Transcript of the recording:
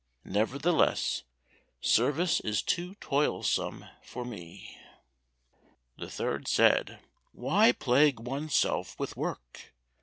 Nevertheless service is too toilsome for me." The third said, "Why plague oneself with work?